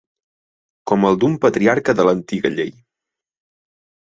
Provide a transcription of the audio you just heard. Com el d'un patriarca de l'antiga llei